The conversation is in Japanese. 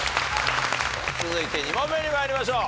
続いて２問目に参りましょう。